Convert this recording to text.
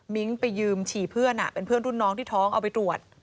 ไปยืมฉี่เพื่อนเป็นเพื่อนรุ่นน้องที่ท้องเอาไปตรวจ